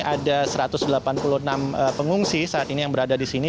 ada satu ratus delapan puluh enam pengungsi saat ini yang berada di sini